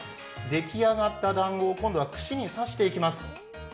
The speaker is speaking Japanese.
出来上がった団子を今度は串に刺していきます。